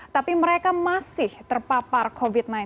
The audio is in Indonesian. tapi mereka masih terpapar covid sembilan belas